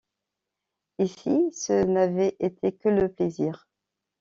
Et si ce n’avait été que le plaisir!